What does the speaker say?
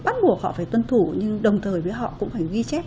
bắt buộc họ phải tuân thủ nhưng đồng thời với họ cũng phải ghi chép